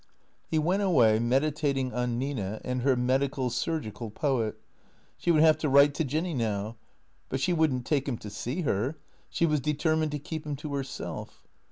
He went away, meditating on Nina and her medical, surgical poet. She would have to write to Jinny now. But she would n't take him to see her. She was determined to keep him to herself.